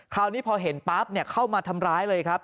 คราวนี้พอเห็นปั๊บเข้ามาทำร้ายเลยครับ